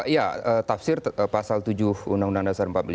ya tafsir pasal tujuh undang undang dasar empat puluh lima